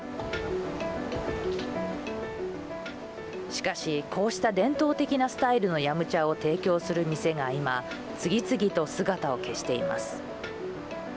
しかしこうした伝統的なスタイルのヤムチャを提供する店が今次々と姿を消しています。